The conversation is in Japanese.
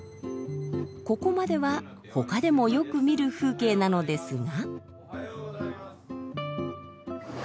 ここまでは他でもよく見る風景なのですが。